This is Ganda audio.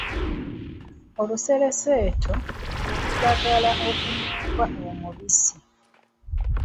Olusereseeto lwe lulagala okunywerwa omubisi.